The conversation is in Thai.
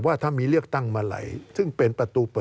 การเลือกตั้งครั้งนี้แน่